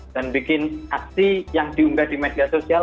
dan bikin aksi yang diunggah di media sosial